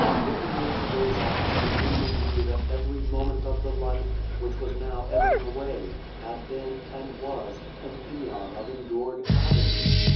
Looking into those eyes the dreamer knew that every moment of the life, which was now ebbing away, had been, and was, an seon of endured agony.